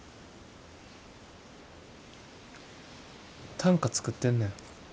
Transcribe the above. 短歌作ってんねん。